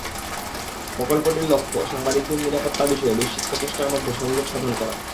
প্রকল্পটির লক্ষ্য, সাংবাদিকদের নিরাপত্তা বিষয়ে বৈশ্বিক প্রচেষ্টার মধ্যে সংযোগ সাধন করা।